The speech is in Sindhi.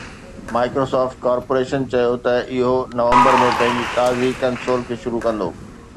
Microsoft Corp چيو آهي ته اهو نومبر ۾ پنهنجي تازي ڪنسول کي شروع ڪندو